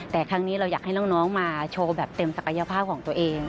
แต่ครั้งนี้เราอยากให้น้องมาโชว์แบบเต็มศักยภาพของตัวเอง